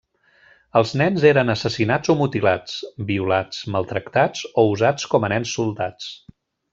Els nens eren assassinats o mutilats, violats, maltractats o usats com a nens soldats.